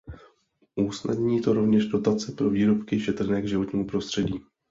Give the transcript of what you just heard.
Usnadní to rovněž dotace pro výrobky šetrné k životnímu prostředí.